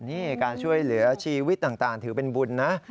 นี่การช่วยเหลือชีวิตต่างถือเป็นบุญนะ